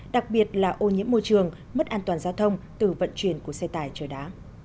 đặc biệt là ô nhiễm môi trường mất an toàn giao thông từ vận chuyển của xe tải chở đá